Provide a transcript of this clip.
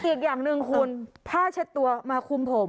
อีกอย่างหนึ่งคุณผ้าเช็ดตัวมาคุมผม